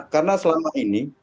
karena selama ini